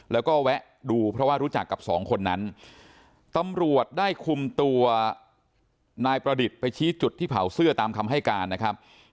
แล้วก็แวะดูเพราะว่ารู้จักกับสองคนนั้นตำรวจได้คุมตัวนายประดิษฐ์ไปชี้จุดที่เผาเสื้อตามคำให้การนะครับ